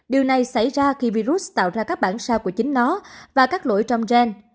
điều này xảy ra khi virus tạo ra các bản sao của chính nó và các lỗi trong gen